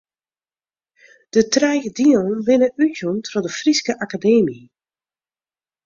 De trije dielen binne útjûn troch de Fryske Akademy.